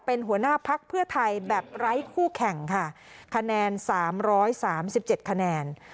เป็นหัวหน้าพักเพื่อไทยแบบไร้คู่แข่งค่ะคะแนนสามร้อยสามสิบเจ็ดคะแนน